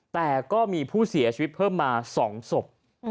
แต่ก็มีผู้เสียชีวิตเพิ่มมา๒ศพ